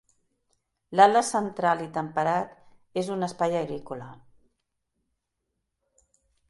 L'Atles, central i temperat, és un espai agrícola.